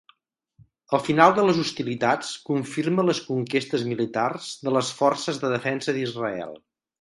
El final de les hostilitats confirma les conquestes militars de les Forces de Defensa d'Israel.